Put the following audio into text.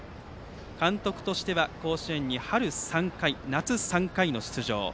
監督としては甲子園に春３回夏３回の出場。